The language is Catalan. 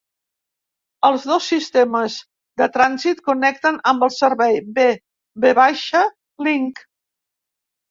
Els dos sistemes de trànsit connecten amb el servei B-V Link.